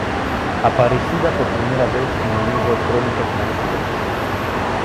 Aparecida por primera vez en el libro "Crónicas marcianas".